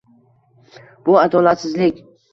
Bu adolatsizlik.